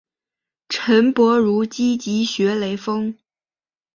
朱伯儒积极学雷锋。